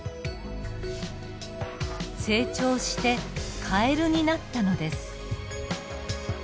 成長してカエルになったのです。